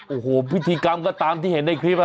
โอ้โหพิธีกรรมก็ตามที่เห็นในคลิป